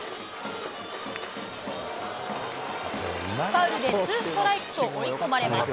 ファウルでツーストライクと追い込まれます。